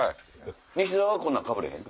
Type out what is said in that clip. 西澤はこんなん被れへん？